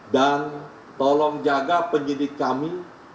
dan tolong jaga penyidik kami